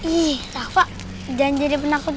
ih rafa jangan jadi penakut